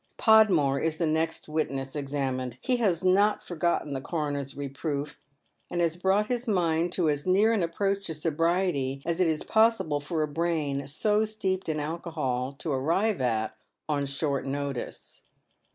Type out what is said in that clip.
Podmore is the next witness examined. He has not forgotten the coroner's reproof, and has brought his mind to as near an approach to sobriety as it is possible for a brain so steeped in alcohol to arrive at on short notice.